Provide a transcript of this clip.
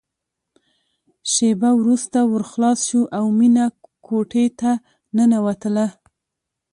شېبه وروسته ور خلاص شو او مينه کوټې ته ننوتله